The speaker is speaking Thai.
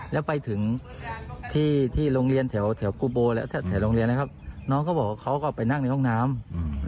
แล้วไปถึงที่โรงเรียนแถวกูโบและแถวโรงเรียนนะครับน้องก็บอกว่าเขาก็ไปนั่งในห้องน้ำ